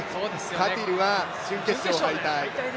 カティルは準決勝敗退。